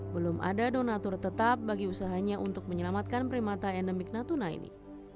belum ada donatur tetap bagi usahanya untuk menyelamatkan primata endemik natuna ini